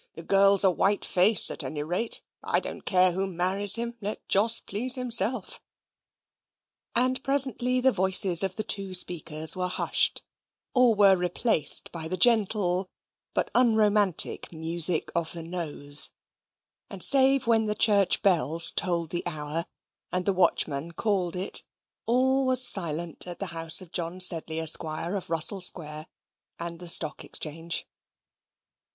The girl's a white face at any rate. I don't care who marries him. Let Joe please himself." And presently the voices of the two speakers were hushed, or were replaced by the gentle but unromantic music of the nose; and save when the church bells tolled the hour and the watchman called it, all was silent at the house of John Sedley, Esquire, of Russell Square, and the Stock Exchange.